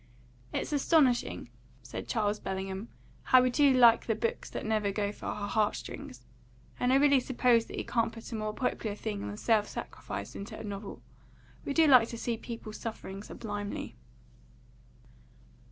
"It's astonishing," said Charles Bellingham, "how we do like the books that go for our heart strings. And I really suppose that you can't put a more popular thing than self sacrifice into a novel. We do like to see people suffering sublimely."